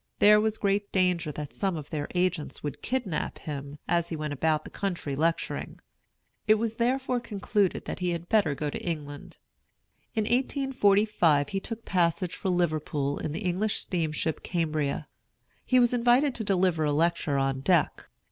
There was great danger that some of their agents would kidnap him as he went about the country lecturing. It was therefore concluded that he had better go to England. In 1845 he took passage for Liverpool in the English steamship Cambria. He was invited to deliver a lecture on deck.